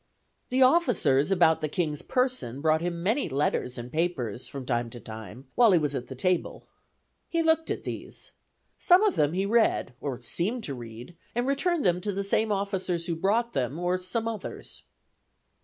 "The officers about the king's person brought him many letters and papers, from time to time, while he was at table. He looked at these. Some of them he read, or seemed to read, and returned them to the same officers who brought them, or some others.